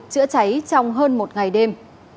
chữa cháy trong hơn một ngày đêm